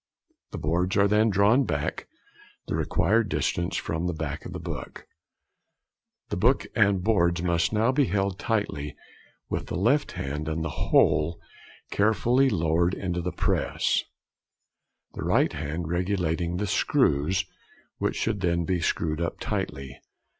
The boards are then drawn back the required distance from the back of the book: the book and boards must now be held tightly with the left hand, and the whole carefully lowered into the press; the right hand regulating the screws, which should then be screwed up tightly.